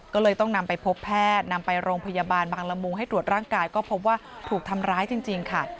ก็เลยต้องนำไปพบแพทย์นำไปโรงพยาบาลบางละมุงให้ตรวจร่างกายก็พบว่าถูกทำร้ายจริงค่ะ